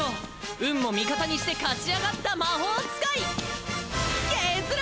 運も味方にして勝ち上がった魔法使いケズル！